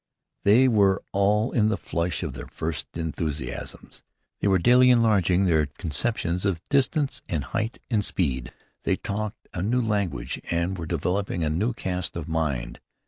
They were all in the flush of their first enthusiasms. They were daily enlarging their conceptions of distance and height and speed. They talked a new language and were developing a new cast of mind.